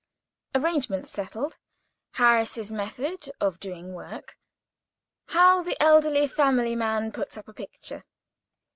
Arrangements settled.—Harris's method of doing work.—How the elderly, family man puts up a picture.